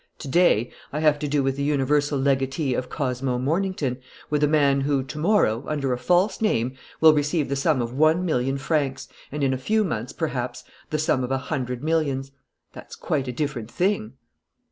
To day, I have to do with the universal legatee of Cosmo Mornington, with a man who, to morrow, under a false name, will receive the sum of one million francs and, in a few months, perhaps, the sum of a hundred millions. That's quite a different thing."